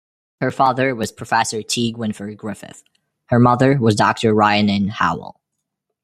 Her father was Professor T. Gwynfor Griffith; her mother was Doctor Rhiannon Howell.